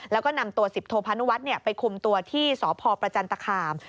แล้วก็นำตัว๑๐โทพานุวัฒน์ไปคุมตัวที่สพประจันตคาม